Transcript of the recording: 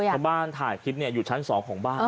ชาวบ้านถ่ายคลิปอยู่ชั้น๒ของบ้าน